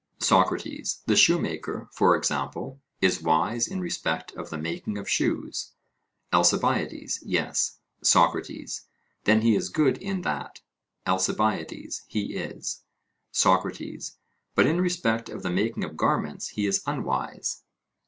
SOCRATES: The shoemaker, for example, is wise in respect of the making of shoes? ALCIBIADES: Yes. SOCRATES: Then he is good in that? ALCIBIADES: He is. SOCRATES: But in respect of the making of garments he is unwise?